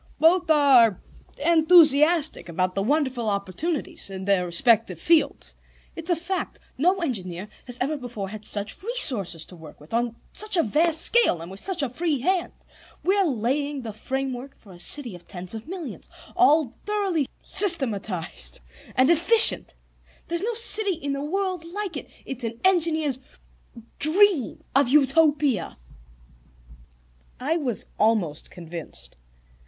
"Both are enthusiastic about the wonderful opportunities in their respective fields. It's a fact: no engineer has ever before had such resources to work with, on such a vast scale, and with such a free hand. We're laying the framework for a city of ten millions, all thoroughly systematized and efficient. There is no city in the world like it; it's an engineer's dream of Utopia." I was almost convinced.